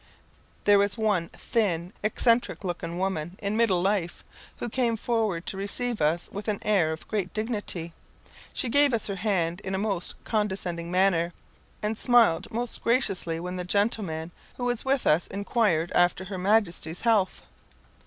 There was one thin, eccentric looking woman in middle life, who came forward to receive us with an air of great dignity; she gave us her hand in a most condescending manner, and smiled most graciously when the gentleman who was with us inquired after her majesty's health.